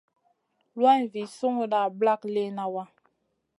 Lawna vi sunguda ɓlak liyna wa.